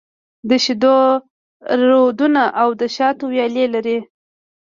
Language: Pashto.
د شېدو رودونه او د شاتو ويالې لري.